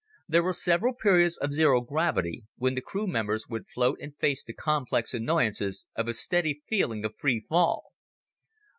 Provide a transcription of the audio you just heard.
There were several periods of zero gravity, when the crew members would float and face the complex annoyances of a steady feeling of free fall.